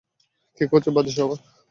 কে করছে বাজে সবাব?